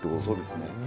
そうですね。